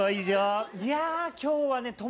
いや今日はね